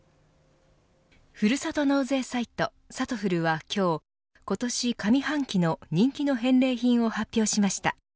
ふるさと納税サイトさとふるは、今日今年上半期の人気の返礼品を発表しました。